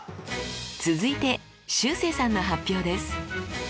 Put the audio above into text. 続いてしゅうせいさんの発表です。